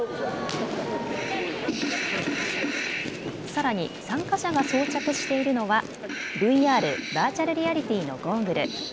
さらに参加者が装着しているのはＶＲ・バーチャルリアリティーのゴーグル。